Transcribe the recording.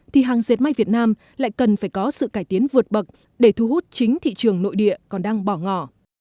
thì hàng dệt may việt nam lại cần phải có sự cải tiến vượt bậc để thu hút chính thị trường nội địa còn đang bỏ ngỏ